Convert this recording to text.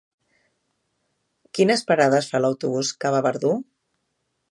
Quines parades fa l'autobús que va a Verdú?